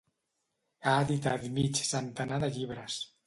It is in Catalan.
Ha editat mig centenar de llibres.